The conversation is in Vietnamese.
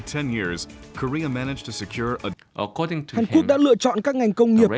hàn quốc đã lựa chọn các ngành công nghiệp